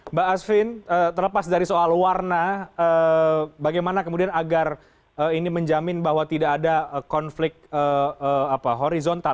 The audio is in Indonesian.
mbak asvin terlepas dari soal warna bagaimana kemudian agar ini menjamin bahwa tidak ada konflik horizontal